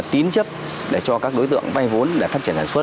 hiện tại các ngành đoàn thẻ tín chấp cho các đối tượng vay vốn để phát triển sản xuất